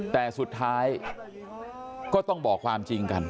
แต่สุดท้ายก็ต้องบอกความจริงกัน